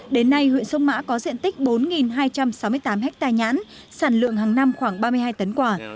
đến nay huyện sông mã có diện tích bốn hai trăm sáu mươi tám hectare nhãn sản lượng hàng năm khoảng ba mươi hai tấn quả